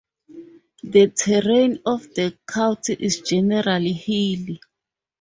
The terrain of the county is generally hilly.